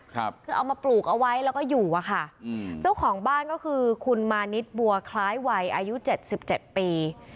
คือเอามาปลูกเอาไว้แล้วก็อยู่อะค่ะอืมเจ้าของบ้านก็คือคุณมานิดบัวคล้ายวัยอายุเจ็ดสิบเจ็ดปี